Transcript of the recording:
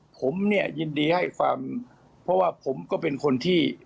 ผมเนี่ยยินดีให้ฟังเพราะว่าผมก็เป็นคนที่